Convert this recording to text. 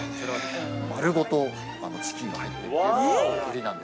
丸ごとチキンが入っていて。